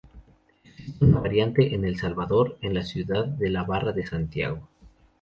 Existe una variante en El Salvador, en la ciudad de la Barra de Santiago.